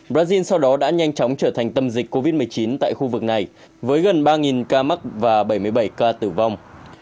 brazil sau đó đã nhanh chóng trở thành tâm dịch covid một mươi chín tại khu vực này với gần ba ca mắc và bảy mươi bảy ca tử vong